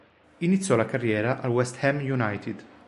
Iniziò la carriera al West Ham United.